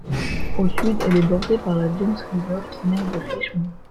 Au sud, elle est bordée par la James River, qui mène vers Richmond.